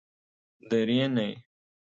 درېنۍ